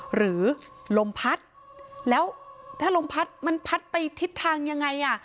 หรือลมพัดแล้วถ้าลมพัดมันพัดไปทิศทางยังไงอ่ะ